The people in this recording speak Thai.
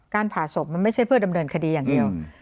ผ่าศพมันไม่ใช่เพื่อดำเนินคดีอย่างเดียว